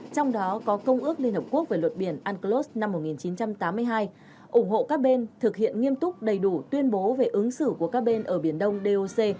trong đó có công ước liên hợp quốc về luật biển unclos năm một nghìn chín trăm tám mươi hai ủng hộ các bên thực hiện nghiêm túc đầy đủ tuyên bố về ứng xử của các bên ở biển đông doc